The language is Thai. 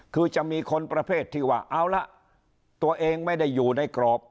คือจะมีคนประเภทที่ว่าเอาละตัวเองไม่ได้อยู่ในกรอบ